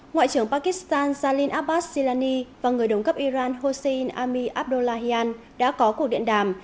ngoại trưởng pakistan jalil abbas jilani và người đồng cấp iran hossein ami abdullahian đã có cuộc điện đàm